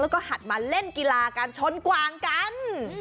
แล้วก็หัดมาเล่นกีฬากันชนกวางกัน